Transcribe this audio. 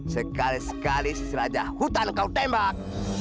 sekali sekali se raja hutan kau tembak